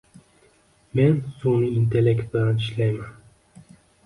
Men sunʼiy intellekt bilan ishlayman.